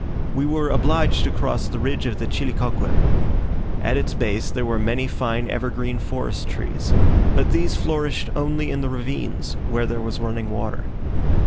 We were obliged to cross the ridge of the Chilicauquen. At its base there were many fine evergreen forest trees, but these flourished only in the ravines, where there was running water.